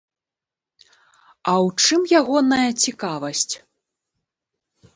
А ў чым ягоная цікавасць?